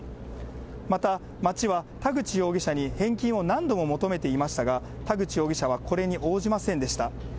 また町は田口容疑者に返金を何度も求めていましたが、田口容疑者はこれに応じませんでした。